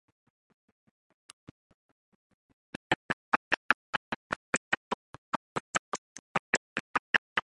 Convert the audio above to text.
"Men of the Crocodile clan, for example, call themselves "Brothers of the Crocodile"."